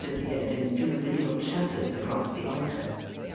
83 appeared and drew the gilt shutters across the altar.